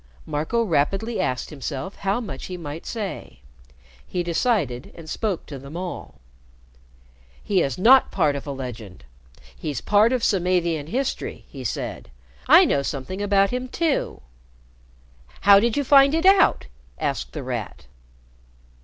Marco rapidly asked himself how much he might say. He decided and spoke to them all. "He is not part of a legend. He's part of Samavian history," he said. "I know something about him too." "How did you find it out?" asked The Rat.